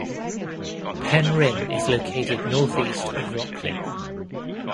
Penryn is located northeast of Rocklin.